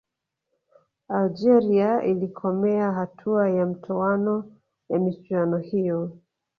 algeria ilikomea hatua ya mtoano ya michuano hiyo